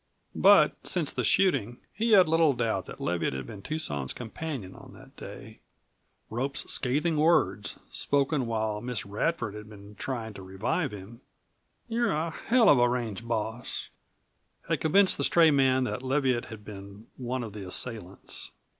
But since the shooting he had little doubt that Leviatt had been Tucson's companion on that day. Rope's scathing words spoken while Miss Radford had been trying to revive him . "You're a hell of a range boss," had convinced the stray man that Leviatt had been one of the assailants.